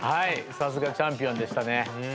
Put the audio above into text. さすがチャンピオンでしたね。